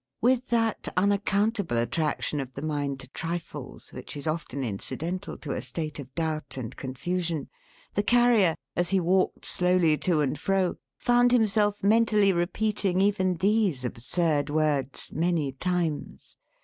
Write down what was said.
With that unaccountable attraction of the mind to trifles, which is often incidental to a state of doubt and confusion, the Carrier, as he walked slowly to and fro, found himself mentally repeating even these absurd words, many times.